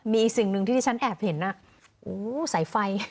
มีอีกสิ่งหนึ่งที่ฉันแอบเห็นอ่ะอู้วสายไฟ